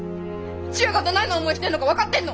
千代がどないな思いしてんのか分かってんの！？